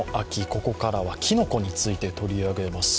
ここからはきのこについて取り上げます。